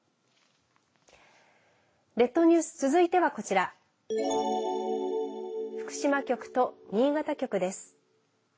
列島ニュース続いてはこちら福島局と新潟局です。